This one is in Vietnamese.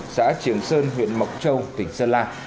xã triển sơn huyện mộc châu tỉnh sơn la